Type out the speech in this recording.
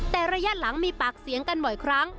แต่ระยะหลังมีปากเสียงกันบ่อยครั้ง